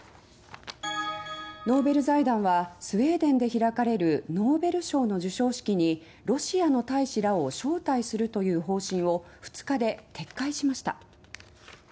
ノーベル財団はスウェーデンで開かれるノーベル賞の授賞式にロシアの大使らを招待するという方針を２日で撤回しました。